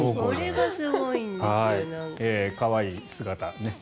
可愛い姿。